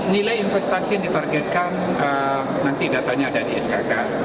nilai investasi yang ditargetkan nanti datanya ada di skk